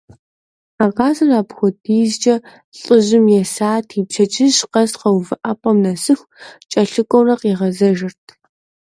А къазыр апхуэдизӏэ лӏыжьым есати, пщэдджыжь къэс къэувыӏэпӏэм нэсыху кӏэлъыкӏуэурэ къигъэзэжырт.